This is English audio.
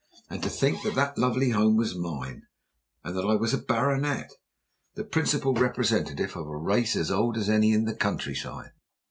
And to think that that lovely home was mine, and that I was a baronet, the principal representative of a race as old as any in the country side!